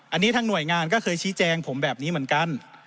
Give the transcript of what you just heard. อันนี้ทางหน่วยงานก็เคยชี้แจงผมแบบนี้เหมือนกัน